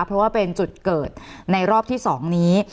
เพราะว่าเป็นจุดเกิดในรอบที่๒นี้